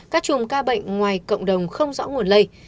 các chùm ca bệnh ngoài cộng đồng không rõ nguồn lây